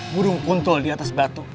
burung kuntol diatas batu